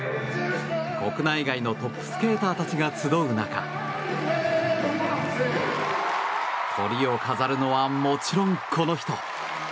国内外のトップスケーターたちが集う中トリを飾るのはもちろん、この人。